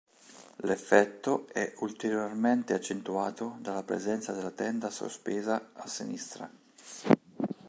L'effetto è ulteriormente accentuato dalla presenza della tenda sospesa a sinistra.